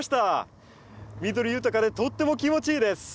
緑豊かでとっても気持ちいいです！